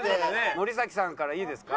森咲さんからいいですか？